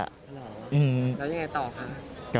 แล้วยังไงต่อคะ